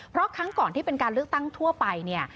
เพราะครั้งก่อนที่เป็นการเลือกตั้งทั่วไปเนี่ย